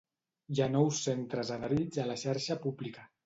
Hi ha nous centres adherits a la xarxa pública.